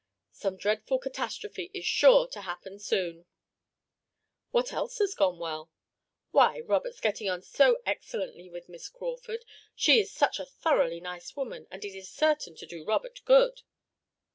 Some dreadful catastrophe is sure to happen soon." "What else has gone well?" "Why, Robert's getting on so excellently with Miss Crawford. She is such a thoroughly nice woman, and it is certain to do Robert good."